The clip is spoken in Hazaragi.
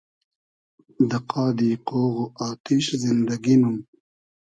دۂ قادی قۉغ و آتیش زیندئگی نوم